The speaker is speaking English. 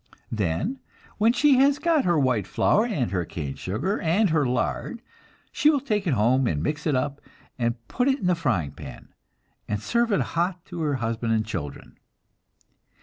Then, when she has got her white flour, and her cane sugar, and her lard, she will take it home, and mix it up, and put it in the frying pan, and serve it hot to her husband and children.